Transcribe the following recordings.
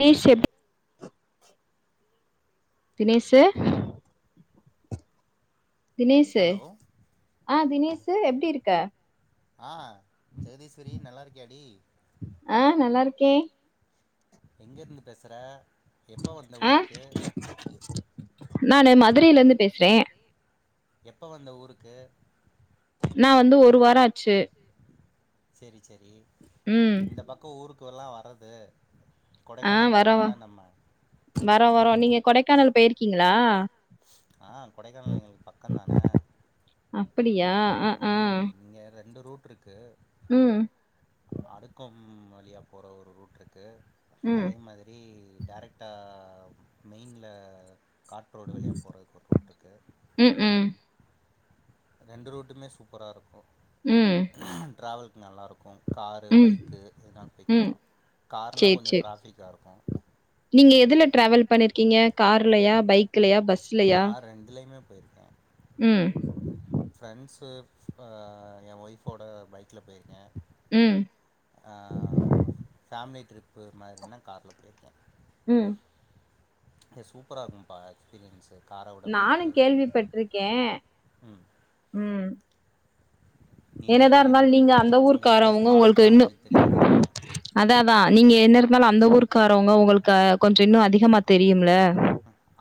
னேஷ் எப்டி [inaudible] தினேஷெ தினேஷு ஆ தினேஷு எப்டி இருக்க? ஆ ஜெகதீஸ்வரி நல்லா இருக்கியாடி? ஆ நல்லாருக்கே. எங்கர்ந்து பேசற எப்ப வந்த ஊருக்கு? நானு மதுரைலந்து பேசறே. எப்ப வந்த ஊருக்கு? நா வந்து ஒரு வாரோ ஆச்சு. செரி செரி இந்த பக்கோ ஊருக்குவல்லா வரது. ஆ வரோ வ வரோ வரோ நீங்க கொடைக்கானல் போயிருக்கீங்களா? ஆ கொடைக்கானல் எங்குளுக் பக்கந்தான. அப்பிடியா? ம் இங்க ரண்டு ரூட்ரு க்கு அடுக்கம் வழியா போற ஒரு ரூட் இருக்கு. அதே மாதிரி டேரெக்டா மெயின்ல காட் ரோடு வழியா போறதுக்கு ஒரு ரூட்டுக்கு. ம் ம். ரெண்டு ரூட்டுமே சூப்பராருக்கு. ம். ட்ராவல்க் நல்லாருக்கு. காரு பைக்கு எதுனா போய்க்லா காருனா கொஞ்சோ ட்ராஃபிக்கா இருக்கு. நீங்க எதுல ட்ராவல் பண்ணிர்க்கீங்க கார்லயா பைக்லயா பஸ் நா ரண்டுலயுமே போய்ர்க்கே. ம் ஃப்ரெண்ட்சு ப்ப எ ஒய்ஃபோட பைக்ல பொயிருக்கே ம் ஆ ஃபேமிலி ட்ரிப்பு மாரின்னா கார்ல பொயிருக்கே ம் எ சூப்பரா இருக்குப்பா எக்ஸ்பீரியன்சு கார விட பைக்கு ம் ம் என்னதா இருந்தால்லு நீங்க அந்த ஊருக்குகாரவங்க உங்ளுக்கு இன்னு அதாஅதா நீங்க என்ன இருந்தாலு அந்த ஊருக்காரவங்க உங்களுக்கு கொஞ்சோ இன்னு அதிகமா தெரியுமுல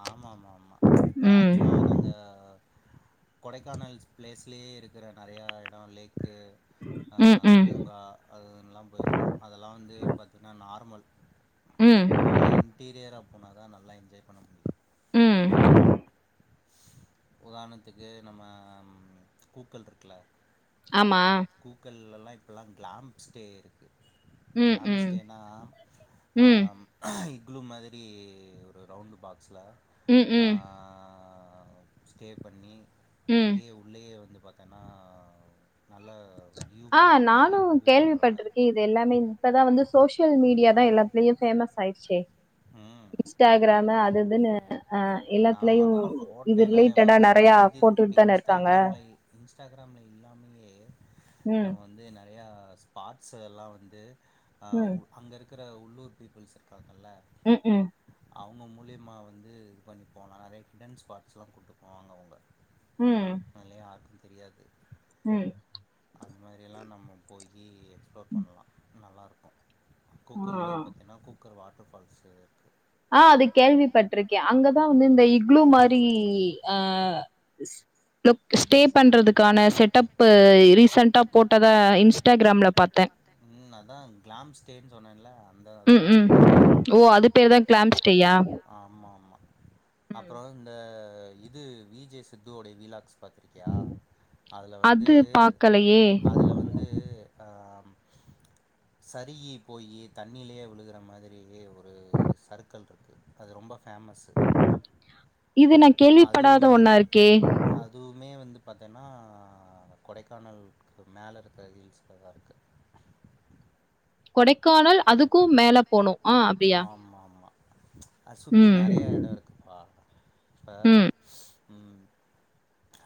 ஆமாஆமாஆமா இப்ப ஆக்சுவலா நாங்க கொடைக்கானல்ஸ் ஸ்ப்ளேஸ்லியே இருக்குற நெறைய இடோ லேக்கு ஆ பூங்கா அதெல்லா பொயிருக்கோ அதெல்லா வந்து பார்த்தின்னா நார்மல் நல்ல இன்டேரியரா போனா தா நல்லா என்ஜாய் பண்ண முடியு ம் உதாரணத்துக்கு நம்ம ம் பூக்கள் இருக்குல ஆமா பூக்கள்ல்லலா இப்பல்லா கிளாம்ப் ஸ்டே இருக்கு க்ளம்ஸ்டேனா ஆம் இக்லூமாதிரி ஒரு ரவுண்டு பாக்ஸ்ல்ல அஅ ஸ்டே பண்ணி அங்கேயே உள்ளேயே வந்து பாத்தனா நல்ல வ்யூ பாயிண்ட்டு வியூ பண்ற மாதிரி இருக்கு எல்லாமே இப்பதா வந்து சோசியல் மீடியா தா எல்லாத்லயு பேமஸ் ஆயிருச்சே இன்ஸ்டாகிராமு அது இதுனு அ எல்லாத்துலயு இது ரிலேட்டடா நெறைய போட் குட்த்து தானே இருக்காங்க இன்ஸ்டாகிராம்ல்ல இல்லாமயே நா வந்து நெறையா பார்ட்ஸெல்லா வந்து அங்க இருக்குற உள்ளூர் பீப்புள்ஸ் இருக்காங்கல்ல ம் ம் அவுங்க மூலியமா வந்து இதுப் பண்ணி போலா நெறைய ஹிட்டன் ஸ்பாட்ஸல்லா கூட்டு போவங்க அவுங்க அதுலா யார்க்கு தெரியாது ம் அந்தமாரியெல்லா நம்ம போயி எக்ஸ்பிளோர் பண்லா நல்ல ருக்கு கூக்கல்லியே பாத்தன கூக்கர் வாட்டர் ஃபால்சு அ அது கேள்விப்பட்ருக்க அங்கதா வந்து இந்த இக்லூ மாரிஅ ஸ்டே பண்றதுக்கான செட்டப்பு ரீசென்ட்டா போட்டதா இன்ஸ்டாகிராம்ல பாத்த ம் அதுதா கிளாம் ஸ்டேன் சொன்னேன்ல அந்ததா அப்படிதா இருக்கு இதுதா கிளாம்சனஸ்டேயா ஆமா ஆமா அப்றோ இந்த இது விஜே சித்து ஒட விலாக்ஸ் பாத்ரு க்கியா அதுல வந்து அதுல வந் வந்து அ சரிகி போயி தண்ணிலேயே விழுகுற மாதிரி ஒரு இது சருக்கள் இருக்கு அது ரொம்ப ஃபேமஸ்சு இது நா கேள்விப்படாத ஒன்னா இருக்கே அதுவுமே வந்து பாத்தின்னா கொடைக்கானலுக்கு மேல இருக்குற ஹில்ஸ்லதா இருக்கு கொடைக்கானல் அதுக்கு மேல போனு அ அப்டியா ஆமா ஆமா அத சுத்தி நெறய இடஇருக்குப்ப இப்ப ம்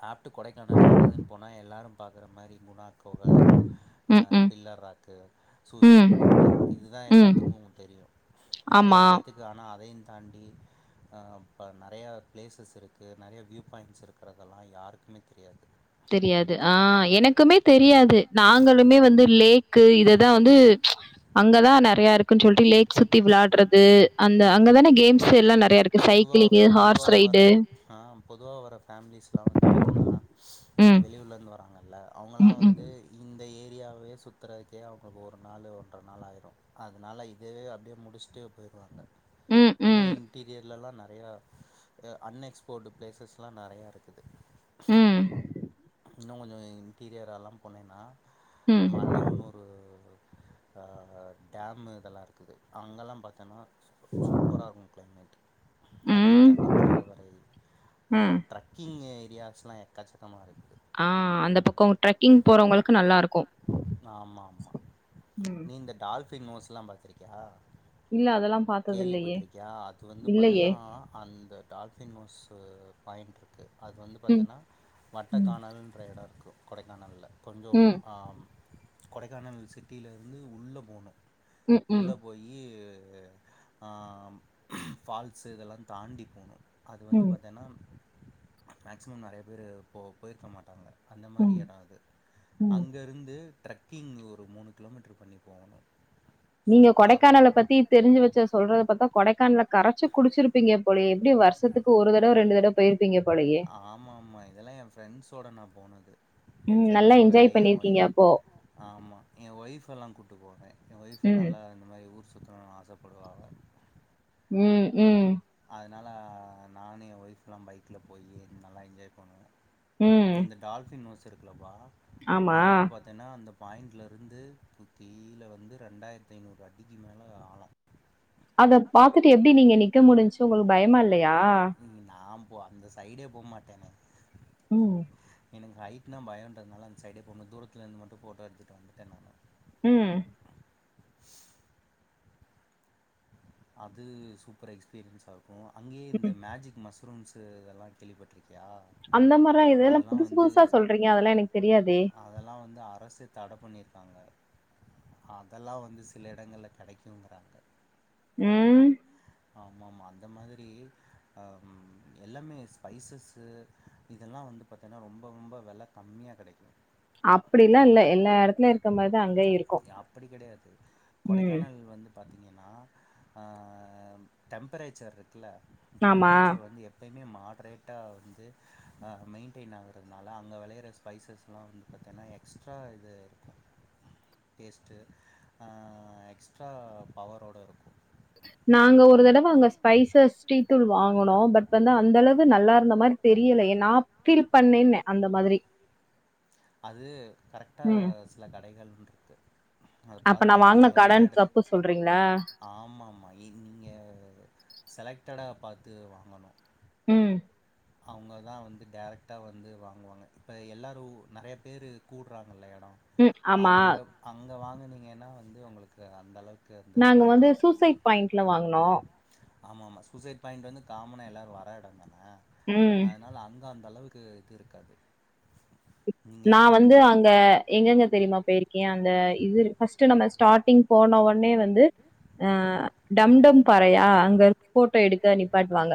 ஆப்ட்டு கொடைக்கானல அதிதுன்னு போனா எல்லாரும் பார்குற மாரி குணா கொக பில்லர் ராக்கு சூசைட் பாயிண்ட்டு இதுதான் எல்லாத்துக்கும் தெரியும் நறைய பேத்துக்கு ஆனா அதையு தாண்டி இப்ப நறையா பிளேஸஸ் இருக்கு நறைய வியூ பாயிண்ட்ஸ் இருக் கரக்கல்லா யாருக்குமே தெரியாது தெரியாது ஆ எனக்குமே தெரியாது நாங்களுமே வந்து லே க்கு இதுதான் வந்து அங்கதான் நறையா இருக்குன்னு சொல்லிட்டு லேக் சுத்தி விளாடுறது அந்த அங்கதானே கேம்ஸ் எல்லாம் நறைய இரு க்கு சைக்கிளிங்கு ஹார்ஸ் ரைடு ஆ பொதுவா வர ஃபேமிலிஸ்லாம் வந்து பாத்தேன்னா வெளியூர்லேருந்து வராங்கல்ல அவங்களாம் வந்து இந்த ஏரியாவே சுத் சுத்துரதுக்கே அவங்களுக்கு ஒரு நாள் ஒன்ற நாள் ஆயிரும் அதனால இதுவே அப்டியே முடிச்சுட்டு போய்ருவாங்க இன்னும் இன்டீரியர்ல்லாம் நறையா அன்எக்ஸ்ப்போர்டு ப்ளேஸஸ்லாம் நறையா இருக்குது ம் இன்னும் கொஞ்சோ இன்டீரியரலாம் போனேன்னா ம் இன்ன ஒன்னொரு ஆ டேம் இதெல்லாம் இருக்குது அங்கெல்லாம் பார்த்தேன்னா சூப்பரா இருக்கும் கிளைமேட் அதையும் தாண்டி கிளாவரை ட்ரக் கிங் ஏரியாஸ்லாம் எக்கச்சக்கமா இருக்கு ஆ அந்த பக்கொ ட்ரெக்கிங் போறவங்களுக்கு நல்லா இருக்கும் ஆமாம்மா நீ இந்த டால்ஃபின் நோஸ்லாம் பார்த்துருக்கியா கேள்விப்பட்டிருக்கியா அது வந்து பாத்தன்னா அந்த டால்ஃபின் நோஸ் பாயிண்ட் யிருக்கு அது வந்து பாத்தென்ன வட்டைக்கணல்லன்ற எடம் இருக்கு கொடைக்கானல்ல கொஞ்சம் ஆ கொடைக்கானல் சிட்டிலருந்து உள்ள போணு உள்ள போயி அ ஃபால்ஸ் இதெல்லாம் தாண்டி போணும் அது வந்து பாத்தேனா மேக்ஸிமம் நறைய பேர் போ போயிருக்க மாட்டாங்க அந்த மாரி எடம் அது அங்கேருந்து ட்ரெக்கிங் ஒரு மூணு கிலோமீட்டரு பண்ணி போகணும் நீங்க கொடைக்கானல பத்தி தெரிஞ்சு வச்ச சொல்றத பாத்தா கொடைக்கானல கரைச்சு குடிச்சிருப்பீங்க போலயே எப்டி வருஷத்துக்கு ஒரு தடவ ரெண்டு தடவ பேய்யிருப்பீங்க போலயே ஆமா ஆமா இதெல்லாம் என் ஃப்ரெண்ட்ஸோடு நா போனது என் ஃப்ரெண்ட்ஸோட என் ஒய்ஃப் ஆமா என் ஒய்ஃப் எல்லாம் கூட்டு போவேன் என் ஒய்ஃப் நல்லா இந்த மாரி ஊர் சுத்தணும் ஆசப்படுவா அவ ம் ம் அதனால நானு என் ஒய்ஃப்ல்லாம் பைக்கில போயி நல்லா என்ஜாய் பண்ணுவோம் இந்த டால்பின் நோஸ் இருக்குலப்பா அது வந் த்தனா அந்த பாயிண்டலேருந்து சுத்தீல வந்து ரெண்டாயிரத் ஐநூறு அடிக்கு மேல ஆழம் அத பாத்துட்டு எப்டி நீங்க நிக்க முடிஞ்ச்சு உங்களுக்கு பயமா இல்லையா ஒ அந்த சைடே போமாட்டனே ம் எனக்கு ஹைட்னா பயம்றதுனால அந்த சைடே போவாமா தூரத்லேந்து மட்டும் போட்டோ எடுத்துட்டு வந்துட்டேன் நானு ம் அது சூப்பர் எக்ஸ்பீரியன்ஸ் ஆகும் அங்கியே இந்த மேஜிக் மஸ் புரூன்ஸ்ஸு இதல்லா கேள்விப்பட்டுருக்கியா அந்த மாரிலா இதல்லா புதுசு புதுசா சொல்றீங்க அதெல்லா எனக்கு தெரியாதே அதல்லா வந்து அரசே தட பண்ணிருக்காங்க அதல்லா வந்து சில எடங்கள்ல கெடைக்குங்கறாங்க ம் ஆமா ஆமா அந்த மாதிரி அம் எல்லாமே ஸ்பைசஸ்ஸு இதெல்லா வந்து பாத்தனா ரொம்ப ரொம்ப வெல கம்மியாக கெடைக்கு அப்டில்லா இல்ல எல்லா எடத்துலயும் இருக்க மாரிதான அங்கயு இருக்கு ம் பாத்தீங்கன்னா அ டெம்பரேச்சர் இருக்குல டெம்பரேச்சர் வந்து எப் பயுமே மாட்ரேட்டா வந்து மெயின்டெயின் ஆகுறனால அங்க வெளையிற ஸ்பைசஸ்லா வந்து பாத்தன்னா எக்ஸ்ட்ரா இது இருக்கு டேஸ்ட்டு எக்ஸ்ட்ரா அ பவரோட இருக்கு நாங்க ஒரு தடவ அங்க ஸ்பைசஸ் டீ தூள் வாங்கணோ பட் வந்து அந்தளவு நல்லா இருந்த மாரி தெரியல ஏ நா ஃபீல் பண்ணேன்ன அந்த மாதிரி அது கரெக்டாக சில கடைகள்னுருக்கு அப்ப நா வாங்குன கட தப்பு சொல்றீங்ளா ஆமா ஆமா நீங்க செலக்டடா பாத்து வாங்கணு ம் அவுங்கதா வந்து டைரெக்ட்டா வந்து வாங்குவாங்க இப்ப யெல்லாரு நெறைய பேரு கூடுறாங்கல்ல எடோ அங்க அங்க வாங்குனீங்கன்னா வந்து உங்களுக்கு அந்த அளவுக் நாங்க வந்து சூசைட் பாயிண்ட்ல வாங்னோ ஆமா ஆமா சூசைட் பாயிண்ட்டு வந்து காமனா யெல்லாரு வர எடோ தான அதனால அங்க அந்த அளவுக்கு இது இருக்காது நா வந்து அங்க எங்கெங்க தெரியுமா பேயிருக்கே அந்த இதுஇருக் ஃபஸ்ட்டு நம்ம ஸ்டார்டிங் போன வொன்னே வந்து அ டம்டம் பாறையா அங்க போட்டோ எடுக்க நிப்பாட்டுவாங்க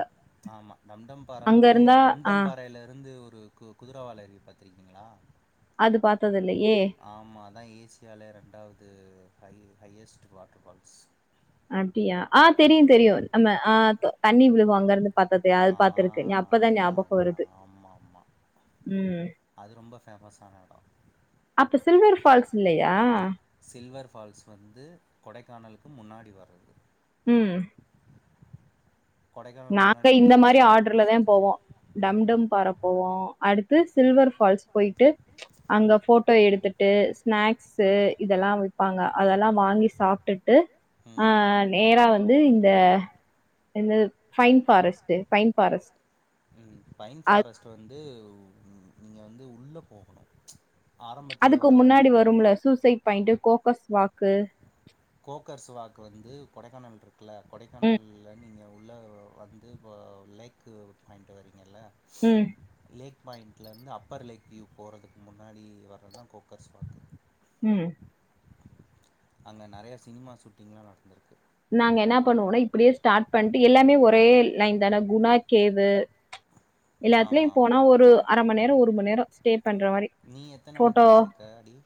ஆமா டம்டம் பாறை வந்து டம்டம் பாறையில இருந்து ஒரு கு குதிரைவாள அருவி பார்த்திருக்கீங்களா அது பாத்தது இல்லையே ஆமா அதான் ஏசியாலே ரெண்டாவது ஹை ஹையஸ்ட் வாட்டர் ஃபால்ஸ் அப்டியா ஆஹ் தெரியு தெரியு நம்ம ஆஹ் தண்ணி விழுவோ அங்கருந்து ஆஹ் அதுதா அதுதா ஆமா ஆம்மா அது ரொம்ப பேமஸ் ஆன எடோ அப்ப சில்வர் ஃபால்ஸ் இல்லையா சில்வர் ஃபால்ஸ் வந்து கொடைக்கானலுக்கு முன்னாடி வர்றது ம் கொடைக்கா நாங்க இந்த மாரி ஆர்டர்ல தே போவோ டம்டம் பாற போவோ அடுத்து சில்வர் ஃபால்ஸ் போயிட்டு அங்க போட்டோ எடுத்துட்டு ஸ்நாக் ஸ் இதெல்லா விப்பாங்க அதெல்லா வாங்கி சாப்டுட்டு அ நேரா வந்து இந்த ந்த பைன் ஃபாரஸ்ட்டு பைன்ஃபாரஸ்ட் ம் பைன் ஃபாரஸ்ட்டு வந்து நீங்க வந்து உள்ள போகணு அதுக்கு முன்னாடி வரும்ல சூசைட் பாயிண்ட் கோக்கஸ் வாக்கு கோக்கர்ஸ் வாக் வந்து கொடைக்கானல் இருக் ல கொடைக்கானால்ல நீங்க உள்ள வந்து இப்போ லேக்கு பாயிண்ட்டு வரீங்கல்ல லேக் பாயிண்ட்லருந்து அப்பர் லேக் வியூ போறதுக்கு முன்னாடி வர்ரதா கோக்கர்ஸ் வாக் ம் அங்க நெறையா சினிமா ஷூட்டிங்லா நடந்திருக்கு நாங்க என்ன பண்ணுவோனா இப்டியே ஸ்டார்ட் பண்ணிட்டு யெல்லாமே ஒரே லைன் தான குணா கேவு யெல்லாத்துலையு போனா ஒரு அர மண் நேர ஒரு மணி நேர ஸ்டே பண்ற மாரி நீ எத்தன வாட்டி போயிருக்க அடி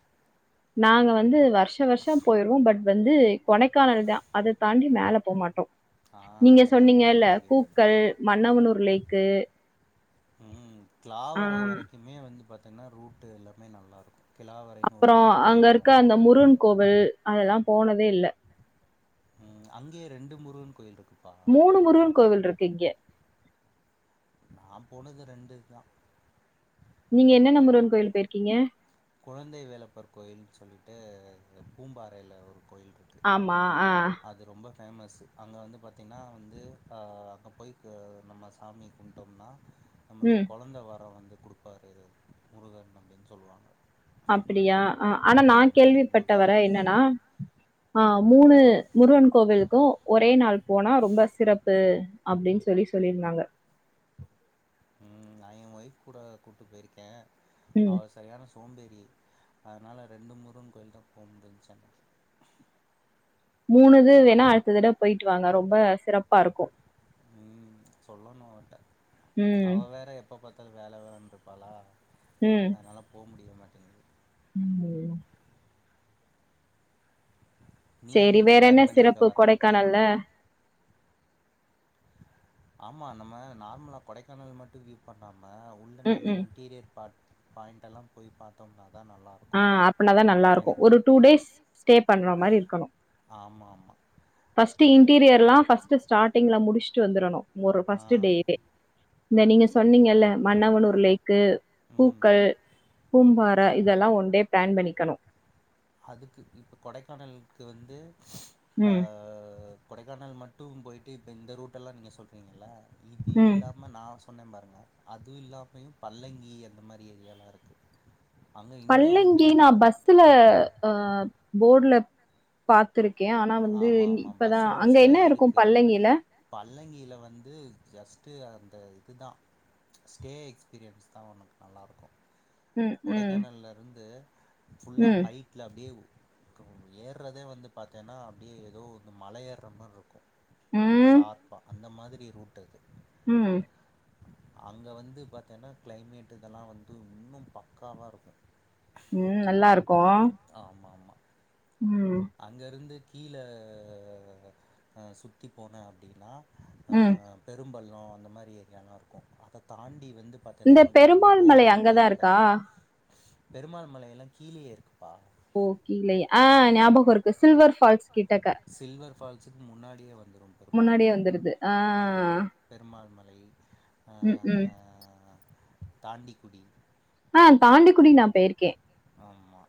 நாங்க வந்து வருஷ வருஷ போயிருவோ பட் வந்து கொடைக்கானல் தா அத தாண்டி மேல போவ்மாட்டோ நீங்க சொன்னீங்கல்ல பூக்கள் மன்னவனூர் லேக்கு ம் கிளாவரை வரைக்குமே வந்து பாத்தீங்னா ரூட்டு யெல்லாமே நல்லாயிருக்கு கிலாவரைனு ஒரு கிராம இருக்கு அது வரைக் கோவில் அதெல்லா போனதே இல்ல அங்கே ரெண்டு முருகன் கோயில் இருக்கு மூணு முருகன் கோவில் இருக்கு இங்க நா போனது ரெண்டுது தா நீங்க என்னென்ன முருகன் கோயி ல் போயிருக்கீங்க குழந்தை வேலப்பர் கோயில்னு சொல்லிட்டு இந்த பூம்பாறையில ஒரு கோயில் இருக் ஆமா ஆ ரொம்ப ஃபேமஸ் அங்க வந்து பார்த்தீங்னா வந்து அங்க போய் கு நம்ம ஸ் சாமி கும்டம்னா நமக்கு கொழந்த வரோ வந்து குடுப்பாரு முருகன் அப்டின் சொல்லுவாங்க அப்டியா ஆ ஆனா நா கேள்விப்பட்டவர என்னனா ஆ மூணு முருகன் கோவிலுக்கு ஒரே நாள் போனா ரொம்ப சிறப்பு அப்டின் சொல் சொல்லி சொல்லிருந்தாங்க ம் நா எ ஒய்ஃப் கூட கூட்டு போயிருக்கே அவ ஸ் சரியான சோம்பேறி அதனால ரெண்டு முருகன் கோயில் தா போக முடிஞ்சுச்சன் மூணுது வேணா அடுத்ததடவ போயிட்டு வாங்க ரொம்ப சிறப் ம் சொல்லணு அவட்ட அவ வேற எப் எப்ப பாத்தாலு வேல வேலனு இருப்பாளா ம் அதனால போவ முடிய மாட்டிங்குது ம் சேரி வேற என்ன சிறப்பு கொடைக்கானல்ல ஆமா நம்ம நார்மலா கொடைக்கானல் மட்டு வியூ பண்ணாம உள்ள நல்ல இன்டீரியர் பாட் பாயிண்ட்யெல்லா போய் பாத்தோம்னாதாநல்லா இருக் ஆ அப்பனாதா நல்லாருக்கு ஒரு டூ டேஸ் ஸ்டே பண்ற மாரி இருக்கணு ஃபஸ்டு இன்டீரியர்ல்லா ஃபஸ்ட்டு ஸ்டார்டிங்ல முடிச்சுட்டு வந்துரணு ஒரு ஃபஸ்ட் டேடே இந்த நீங்க சொன்னீங்கல்ல மன்னவனூர்லேக்கு பூக்கள் பூம்பார இ இதெல்லா ஒன் டே பிளான் பண்ணிக்கணு அதுக்கு கு இப்ப கொடைக்கானலுக்கு வந்து இஸ் ஆ கொடைக்கானல் மட்டு போய்ட்டு இப்ப இந்த ரூட்டல்லா நீங்கசொல்றீங்கல்ல இது இல்லாம நா சொ ண்ணே பாருங்க அதுவு இல்லாமயு பல்லங்கி அந்த மாரி ஏரியாலா இருக்கு அங்கே இன்னொ ரெண் டிஃப்ரென் த்துல ஆ போட்ல ஆமா ஆமா பஸ் ரூட்ஸ்ல்லா இருக்கு பல்லங்கியில் வந்து ஜஸ்ட்டு அந்த இது தா ஸ்டே எக்ஸ்பீரியன்ஸ் தா உனக்கு நல்லாருக்கோ கொடைக்கானல்ல இருந்து ஃபுல்லா ஹைட் டில அப்டியே ஏற்றதே வந்து பாரத்தேன்னா அப்டியே ஏதோ வந்து மல ஏர்ற மாரிருக்கு ஷார்ப்பா அந்த மாதிரி ரூட்டது ம் அங்க வந்து பாத்தீன்னா கிளைமேட் இதெல்லா வந்து இன்னு பக்காவா இருக்கு ம் நல்லாருக்கோ ஆமாம்மா ம் அங்கருந்து கீழே அ சுத்தி போனே அப்டின்னா ஆ பெரும்பள்ளோ அந்த மாரி ஏரியலாருக்கோ அத தாண்டி வந்து பாத்தைனா உனக்கு வந்து ரோடு ரூட்டே இருக்காது பெருமாள் மலையெல்லா கீழயே இருக்குப்பா ஓ கீழயே ஆ ஞாபகோ இருக்கு சில்வர் ஃபால்ஸ் கிட்டக்க சில்வர் ஃபால்ஸுக்கு முன்னாடியே வந்துரு பெருமாள்மலை ஆமா பெருமாள்மலை ஆ தாண்டிக்குடி ஆ தாண்டிக்குடி நா பேய்ர்க்கே ஆமா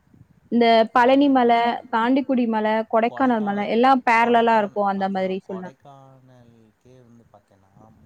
இந்த பழனிமல தாண்டிக்குடி மல கொடைக்கானல் மல எல்லா பேர்லலா இருக்கு ஓ அந்த மாத்ரி கொடைக்கானல் கே வந்து பாத்திங்னா ஆம்